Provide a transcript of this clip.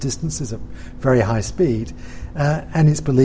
dengan kecepatan yang sangat tinggi